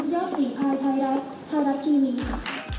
รายการศึกยอดฝีภายไทยรัฐไทยรัฐทีวี